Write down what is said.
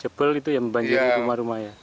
jebol itu yang membanjiri rumah rumah ya